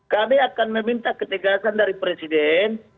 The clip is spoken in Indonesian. kami akan meminta ketegasan dari presiden